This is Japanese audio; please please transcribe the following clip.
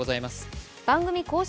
番組公式